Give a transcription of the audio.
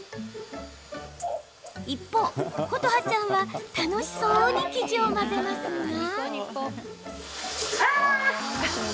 一方、琴花ちゃんは楽しそうに生地を混ぜますが。